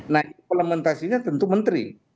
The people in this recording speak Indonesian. nah implementasinya tentu menteri